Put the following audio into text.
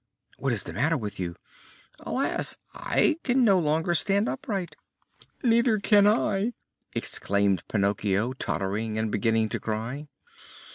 "What is the matter with you?" "Alas, I cannot any longer stand upright." "Neither can I," exclaimed Pinocchio, tottering and beginning to cry.